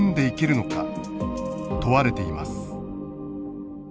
問われています。